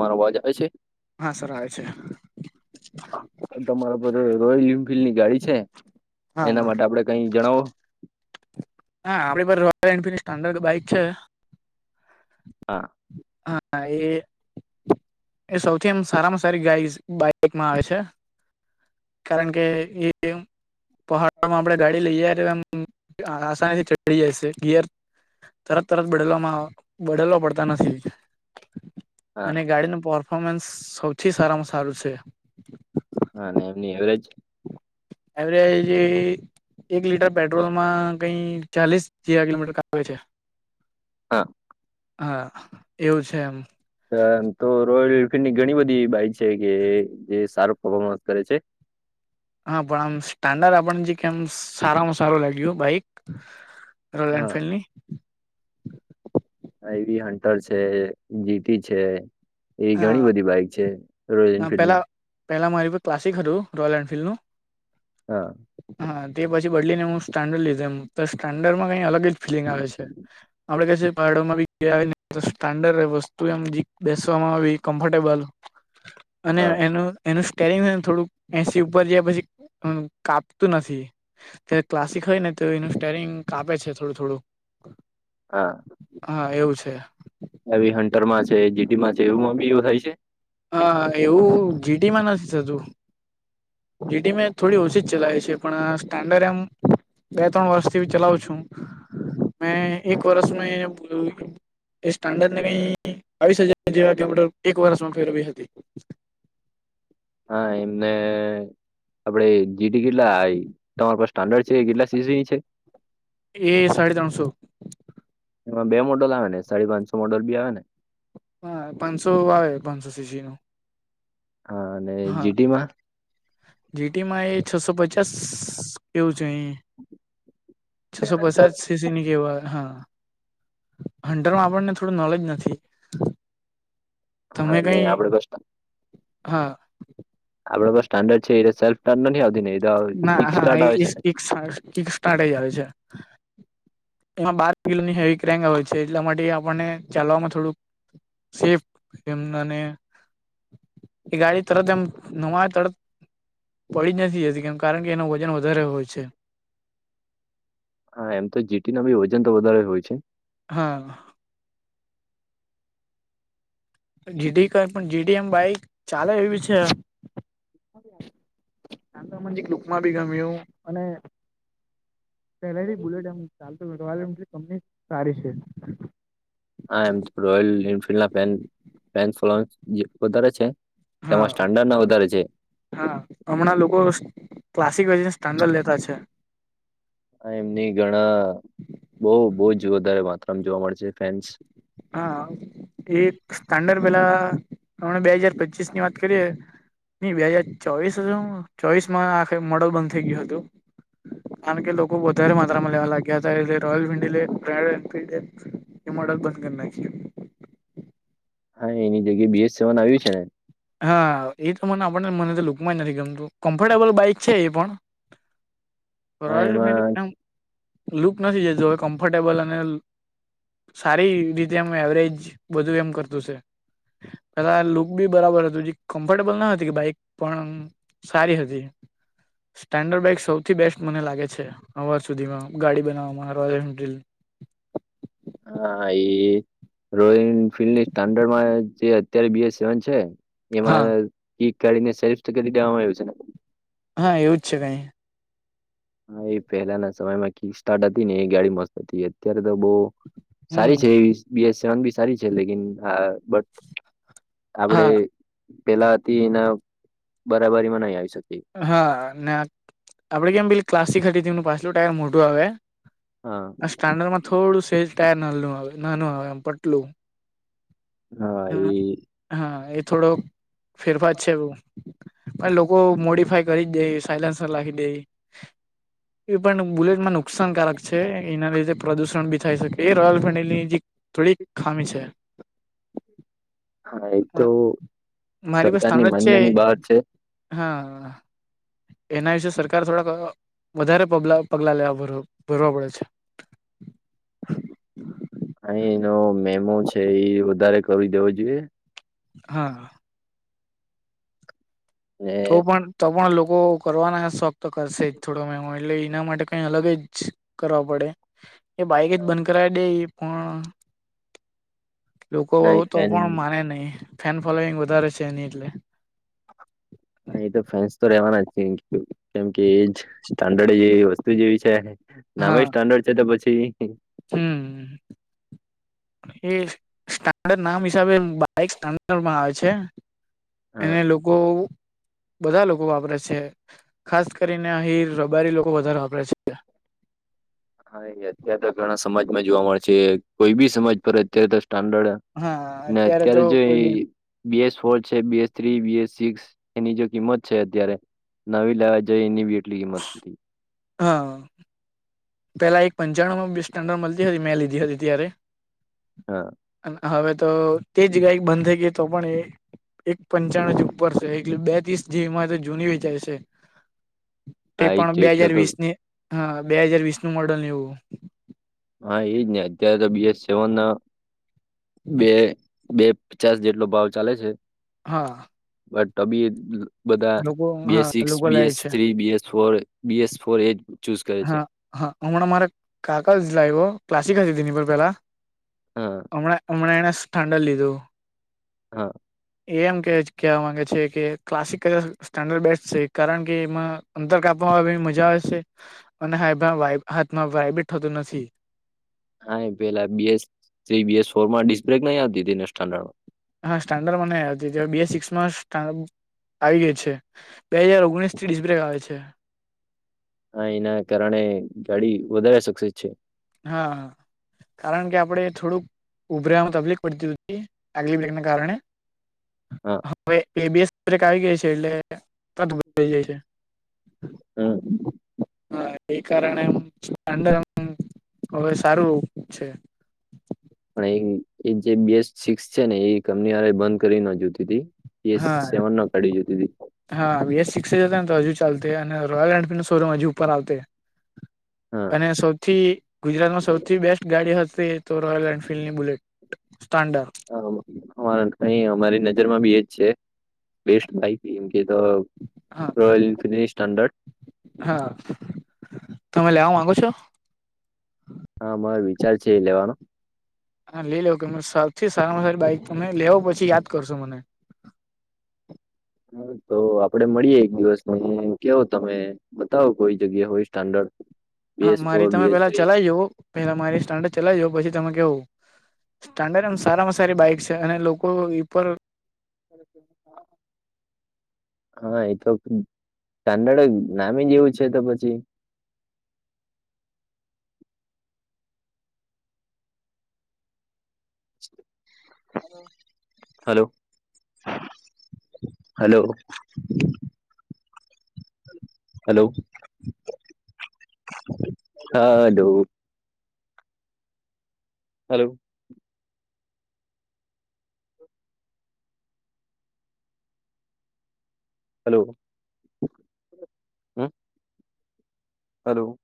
મારવાજ આવેશે. હા સર આવે છે તમારા પાસે રોયલ એન્ફિલ્ડ ની ગાડી છે એના હા માટે આપડે કઈ જણઓ હા આપડી રોયલ એન્ફીડ સ્લન્ડર બાઈક છે હા હા એ એ સૌથી એમ સારામાં સારી ગ બાઈકમાં આવે છે કારણ કે એ પહાડમાં આપણેે ગાડી લઈએ એમ થી ચડી જાય છે ગિયર તરત તરત બદલવામાં બદલવા પડતા નથી હા અને ગાડીનું પરફોર્મન્સ સૌથી સારામાં સારું છે હા અને એમની એવરેજ એવરેજ એક લીટર પેટ્રોલમાં કઈ ચાલીસ જે કિલોમીટર કે છે. હા હા એવું છે એમ તો રોયલ એફિલ્ડની ઘણી બધી બાઈક છે કે જે સારો પર્ફોર્મન્સ કરે છે. હા પણ આમ સ્ટાન્ડર્ડ આપણ જે કેમ સારામાં સારું લાગ્યું બાઈક રોયલ હા એનફિલ્ડ ની એઈવી હન્ટર છે જીટી છે એ ઘણી હા બધી બાઈક છે રોયલ એનફિલ્ડની પહેલાં મારી ક્લાસિક હતું રોયલ એન્ફિલ્ડનું હા. હા, તે પછી બદલીને હું સ્ટાન્ડર્ડ લીધે, તો સ્ટાન્ડર્ડમાં કઈ અલગ જ ફીલિંગ આવે છે. આપડે કે પડમાં બડ વસ્તુમ [inaudible] આવી કમફર્ટેબલ અને હા એનું એનું સ્ટેરિંગ હને થોડુંક એસી ઉપર જાય પછી કાપતું નથી. તે ક્લાસિક હોય ને તો એનું સ્ટેરિંગ કાપે છે થોડું થોડું. હા. હા એવું છે. આવી હન્ટર માં છે, જી ટી માં છે એમાં બી એવ થાય છે? હા, એવું જી ટીમાં નથી થતું. જેટી માં એક થોડી ઓછી જ ચલાવી છે પણ સ્ટાન્ડર્ડ એમ બે ત્રણ વર્ષથી ચલાવું છું. મે એક વર્ષ મે એ સ્ટાડાર્ડ ને મેં બાવીસ હજાર જેવા કિલોમીટર એક વર્ષમાં ફેરવી હકુ. હા એમને આપડે જી ટી કેટલા, તમાર પા સ્ટાન્ડડ છે કેટલા સી સી છે? એ સાડી ત્રણસો. એમાં બે મોડલ આવે ને સાડી પાંચસો મોડલ બી આવેને? હા પાંચસો આવે પાંચસો સી સી નું. હા અને જી ટી માં? જી ટી માં એ છસો પચાસ કેવું છે અહી. ને છસો હન્ટર પચાસ સી સીની એવા હા, હંન્ટરમાં આપણને થોડું નોલેજ નથી. હા તમે અને કઈ, આપડે બસ હા. આ બધા સ્ટાન્ડર્ડ છે એ સેફ નથી આવતી ને એ? તો ના કિક હા સ્ટાર્ટ એ આવે છે ઈ ને કીક સ્ટાર્ટ જ આવે છે. એમાં બાર કિ લોની હેવી ક્રેંગ હોય છે એટલા માટે આપણને ચાલવામાં થોડુંક સેફ એમ મને એ ગાડી તરત એમ નવાય તરત પડી જ નથી જતી કેમ કારણ કે એનું વજન વધારે હોય છે. હા એમ તો જી ટી ના ભી વજન તો વધારે હોય છે. હા. જી ટી કઈ પણ જી ટી એમ બાઈક ચાલે એવી છે. [inaudible] મજી લુકમાં બી ગમ્યું અને પેલે થી બુલેટ એમ ચાલતું [inaudible] કંપની સારી છે. હા એમ રોયલ એનફિલ્ડ ના પેન પેનફલો એમ વધારે છે? હા તેમાં સ્ટાન્ડર્ડ ના વધારે છે. હા હમણાં લોકો ક્લાસિક અને સ્ટાન્ડર્ડ લેતા છે. એમની ઘણા બવ બવ જ વધારે માત્રામાં જોવા મળે છે ફેન્સ. હા. એક સ્ટાન્ડર્ડ પેલા હમને બે હાજાર પચીસ ની વાત કરીએ ની બે હાજર ચોવીસ હુ ચોવીસ માં આખ મોડલ બંધ થઈ ગયું હતું. કારણ કે લોકો વધારે માં લેવા લાગ્યા હતા એ રોયલન્ડડ રોયલ એનફીલ્ડ એ મોડલ બંધ કરી નાખ્યું. હા એની જગ્યા બી એસ સેવન આવ્યું છે. હા એ તો મને આપણને મને તો લુકમાં જ નથી ગમતું કમ્ફર્ટેબલ બાઈક છે એ પણ. હા એમાં [unintelligible] લુક નથી જતો હવે કમ્ફર્ટેબલ અને સારી રીતે એમ એવરેજ બધું એમ કરતું છે. હવે આ બી બરાબર હતું જી કમ્ફર્ટેબલ ના હતી કે બાઈક પણ અમ સારી હતી. સ્ટાન્ડર્ડ બાઈક સૌથી બેસ્ટ મને લાગે છે અવર સુધીમાં ગાડી બનાવવામાં રોયલ રીલ. હહ એ. રોયલ એફિલ્ડની સ્ટાન્ડર્ડમાં જે અત્યારે બી એસ સેવન છે. એમાં હા ઈ ગાડીને સરીફ તો કરી દેવામાં આયુ હશે ને? હા એવું જ છે કાઈ. હા એ પેલાના સમયમાં કી સ્ટાર્ટ હતી ને એ ગાડી મસ્ત હતી અત્યારે તો બોવ. સારી છે હમ. એ બીએ સેવન બી સારી છે લેકિન અ બટ. આપડે હા પેલા હતી એના બરાબરીમાં નહી આવી શકી. હહ ના આપડે કેમ પેલી ક્લાસીક હતી તેનું પાછલું ટાયર મોટું આવે. હા આ સ્ટાન્ડર્ડમાં થોડું સેજ ટાયર નાલુ આવે નાનું આવે આમ પટલું. હહ એ હહ એ થોડો ફેરફાર છે પણ લોકો મોડી ફાઈ કરી જ દે હે શાઈલેશન લાખી દે હે એ પણ બુલેટમાં નુક નુકસાનકારક છે એના લીધે પ્રદુષણ બી થાય શકે. એ રોયલ ફેનીલ જે થોડીક ખામી છે. હા એ તો મારી પાસે સરકારની સ્ટાન્ડર્ડ છે માન્યની બહાર છે. હા એના વિશે સરકાર થોડાક અ વધારે પબલા પગલા લેવા ભ ભરવા પડે છે. અહીં એનો મેમો છે ઈ વધારે કરી દેવો જોઈએ. હા તો એ પણ તો પણ લોકો કરવાના શોખ તો કરશે જ થોડો મેમો એટલે ઈના માટે કાઈ અલગ જ. કરવા પડે. એ બાઈક જ બંધ કરાઈ દે ઈ પણ લોકો નહી તો ફેન પણ માને નહીં. ફેન ફોલોઈંગ વધારે છે એની એટલે. અને ઈ તો ફેન્સ તો રેવાના જ છે ઈ કેમ કે એજ સ્ટાન્ડર્ડ જ એવી વસ્તુ જ એવી છે હા નામે સ્ટાન્ડર્ડ છે તો પછી હમ એ સ્ટાન્ડર્ડ નામ હિસાબે બાઈક સ્ટાન્ડર્ડમાં આવે છે. હા એને લોકો બધા લોકો વાપરે છે. ખાસ કરીને આહીર, રબારી લોકો વધારે વાપરે છે. હા એ અત્યારે તો ઘણા સમાજમાં જોવા મળ છે. કોઈ બી સમાજ પર અત્યારે તો સ્ટાન્ડર્ડ હા ને અત્યારે તો જો એ કોઈ બી બીએસ ફોર છે, બીએસ થ્રી, બીએસ સિક્સ એની જે કિંમત છે અત્યારે નવી લાવા જાય એની બી એટલી કિંમત નથી. હહ પેલા એક પંચાણુંમાં બે સ્ટાન્ડર્ડ મલતી હતી મેં લીધી હતી ત્યારે. હહ અને હવે તો તે જ ગાય બંધ થઈ ગઈ તો પણ એ એક પંચાણું જ ઉપર સે એટલે બે ત્રીસ જેવી માં તો જૂની વેચાય સે. તે હા એજ પણ છે બે એટલે હજાર તો વીસની હહ બે હજાર વીસનું મોડલ ને એવું. હહ એજ ને અત્યારે તો બીએસ સેવન અ બે બે પચાસ જેટલો ભાવ ચાલે છે. હા બટ તોબી એ બધા લોકો બીએસ હા સિક્સ, લોકો લે બીએસ છે three, BS four BS four એજ ચૂસ કરે છે. હહ હમણાં મારે કાકા જ લાવ્યો ક્લાસિક જ હતી એની પર પેલા હા હમણાં હમણાં એને સ્થાંડલ લીધું. હહ એ એમ કેછ કેવા માંગે છે કે ક્લાસિકલ સ્ટાન્ડર્ડ બેસ્ટ છે કારણ કે એમાં અંતર કાપવામાં બી મજા આવે છે. અને હાયભા વાઈબ હાથમાં વાયબે થતું નથી. હા પેલા બીસ બસ ફોર માં ડિસ્ બ્રેક નઈ આવતી હતીને સ્ટાન્ડડમાં હા સ્ટાન્ડર્ડ મને હતી બી એ સિક્સમાં સ્ટાન્ડ આવી ગઈ છે. બે હાજાર ઓગણીસ થી ડિસ્બ્રેક આવે છે. હા એના કારણે ગાડી વધારે સક્ક્ષસ છે. હા. કારણ કે આપણે થોડુંક ઉભર્યાવામાં તકલીફ પડતી હતી આગલી બ્રેકને કારણે. હા. હવે એ બીએસ બ્રેક આવી છે એટલે તદ જાય છે. હમ હા એ કારણે હવે સારું છે. પણ એ એ જે બેસ્ટ સિક્સ છે ને એ કંપની વારે બંધ કરી ન જોતી તી એ હા સેવન ન કાઢ જો દીી. હા બીએસ સિક્સ જ ને તો હજુ ચાલ અને રોયલ એનફિલ્ડ સોરૂ હજુ ઉપર આવતે. હા અને સૌથી ગુજરાતમાં સૌથી બેસ્ટ ગાડી હતી. તો રોયલ એનફિલ્ડ ની બુલેટ સ્ટાન્ડર્. હ અહી અમારી નજરમાં બી એજ છે. બેસ્ટ બાઇક એમ કે તો હા રોયલ એન્ફિ સ્ટાન્ડર્ડ. હા, તમે લેવા માંગો છો? હા માર વિચાર છે એ લેવાનો. હા લઈ લેઓ કે સૌથી સારામાં સારી બાઈક તમે લેવો પછી યાદ કરશો મને. હ તો આપડે મળીયે એક દિવસ કેવો તમે બતાવો કોઈ જગ્યા હોય સ્ટાન્ડર્ડ. હા બીએસ મારી ફોર તમે બીએસ પેલા થ્રી ચલાઈ જો પેલા મારી સ્ટાન્ડ ચલાવી જો પછી તમે કેવ. સ્ટાન્ડર્ડ એમ સારામાં સારી બાઈક છે અને લોકો ર [inaudible] હા એ તો સ્ટાન્ડર્ડ જ નામ જ એવું છે તો પછી. Hello. Hello. Hello. Hello. Hello. Hello. હમ હલો.